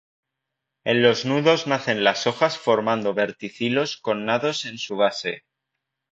En los nudos nacen las hojas formando verticilos connados en su base.